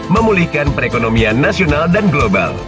memulihkan perekonomian nasional dan global